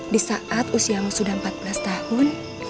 di saat usiamu sudah empat belas tahun